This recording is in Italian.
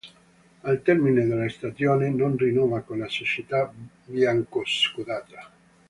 Al termine della stagione non rinnova con la società biancoscudata.